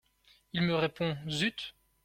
Il me répond : Zut !…